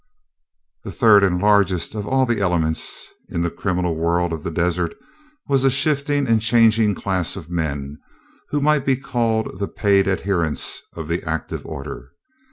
The third and largest of all the elements in the criminal world of the desert was a shifting and changing class of men who might be called the paid adherents of the active order.